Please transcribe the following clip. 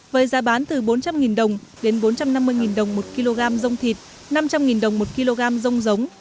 với giá bán từ bốn trăm linh đồng đến bốn trăm năm mươi đồng một kg dông thịt năm trăm linh đồng một kg dông giống